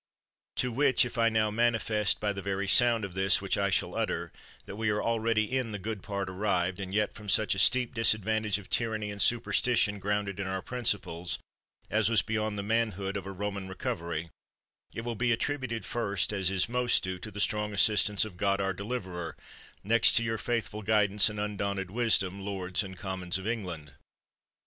To which if I now manifest by the very sound of this which I shall utter, that we are already in good part arrived, and yet from such a steep disadvantage of tyranny and superstition grounded into our principles as was beyond the manhood of a Roman recovery, it will be attrib uted first, as is most due, to the strong assistance of God our deliverer, next to your faithful guid ance and undaunted wisdom, lords and commons of England.